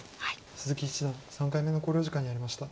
鈴木七段３回目の考慮時間に入りました。